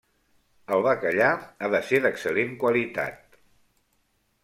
El bacallà ha de ser d'excel·lent qualitat.